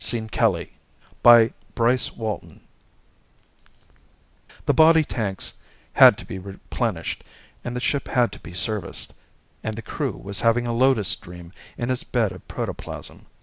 net _The body tanks had to be replenished and the ship had to be serviced and the crew was having a Lotus dream in its bed of protoplasm.